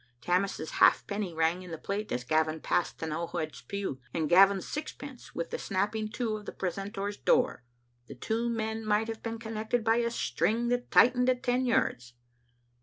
Tammas's halfpenny rang in the plate as Gavin passed T'now head's pew, and Gavin's sixpence with the snapping to of the precentor's door. The two men might have been connected by a string that tightened at ten yards.